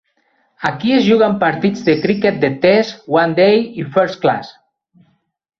Aquí es juguen partits de criquet de Test, One Day i First Class.